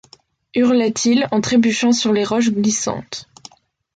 hurlait-il en trébuchant sur les roches glissantes